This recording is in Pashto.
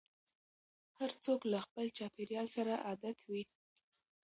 هر څوک له خپل چاپېريال سره عادت وي.